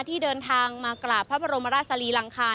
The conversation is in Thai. ที่เดินทางมากราบพระบรมราชสรีรังคาร